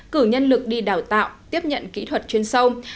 cử nhân lực đi đào tạo tiếp nhận kỹ thuật chuyên sâu